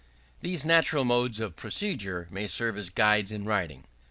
These natural modes of procedure may serve as guides in writing.